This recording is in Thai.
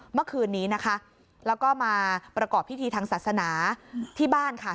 เมื่อคืนนี้นะคะแล้วก็มาประกอบพิธีทางศาสนาที่บ้านค่ะ